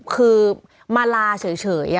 คือมาลาเฉย